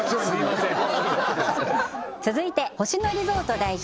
続いて星野リゾート代表